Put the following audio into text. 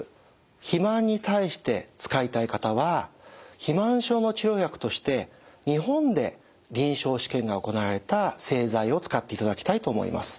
肥満に対して使いたい方は肥満症の治療薬として日本で臨床試験が行われた製剤を使っていただきたいと思います。